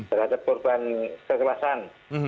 terhadap korban kekerasan